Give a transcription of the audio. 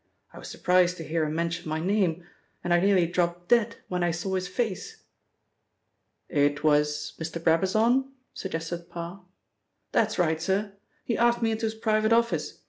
I was surprised to hear him mention my name, and I nearly dropped dead when I saw his face." "It was Mr. Brabazon?" suggested Parr. "That's right, sir. He asked me into his private office.